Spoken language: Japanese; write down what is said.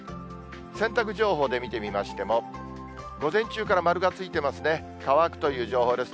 洗濯情報で見てみましても、午前中から丸がついてますね。